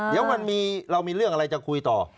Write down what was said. เดี๋ยวเรามีเรื่องอะไรจะคุยต่อ